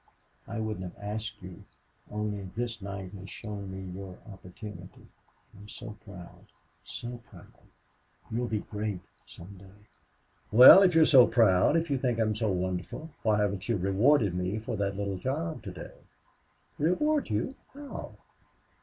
I wouldn't have asked you only this night has shown me your opportunity. I'm so proud so proud. You'll be great some day." "Well, if you're so proud if you think I'm so wonderful why haven't you rewarded me for that little job today?" "Reward you!... How?"